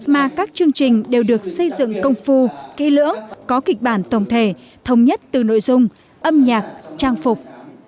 mà các chương trình đều được xây dựng công phu kỹ lưỡng có kịch bản tổng thể thống nhất từ nội dung âm nhạc trang phục